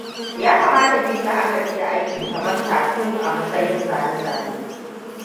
Ya kamata ki yi la'akari da aiki kamar tattoo a matsayin zane-zane.